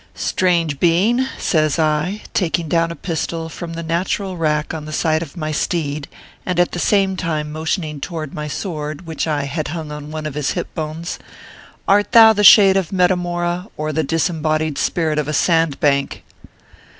" Strange being !" says I, taking down a pistol from the natural rack on the side of my steed, and at the same time motioning toward my sword, which I had hung on one of his hip bones, " Art thou the shade of Metamora, or the disembodied spirit of a sand bank